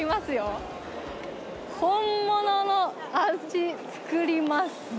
「本物の味作ります」。